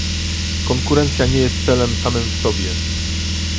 Konkurencja nie jest celem samym w sobie